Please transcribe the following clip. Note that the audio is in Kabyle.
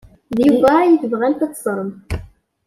D Yuba ay tebɣamt ad teẓremt.